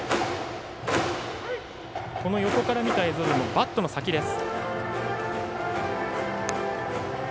横から見た映像でもバットの先です。